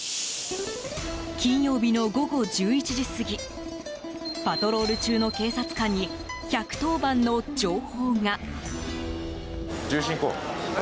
金曜日の午後１１時過ぎパトロール中の警察官に１１０番の情報が。